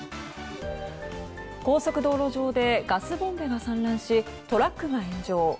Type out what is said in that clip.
高速道路上でガスボンベが散乱しトラックが炎上。